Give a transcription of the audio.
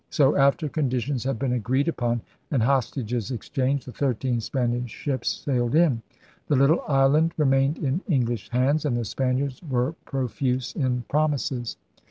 So, after conditions had been agreed upon and hostages exchanged, the thirteen Span ish ships sailed in. The little island remained in English hands; and the Spaniards were profuse in promises.